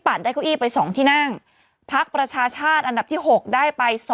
ได้เก้าอี้ไป๒ที่นั่งพักประชาชาติอันดับที่๖ได้ไป๒